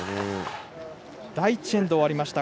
第１エンド終わりました。